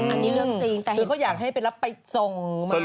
อันนี้เรื่องจริง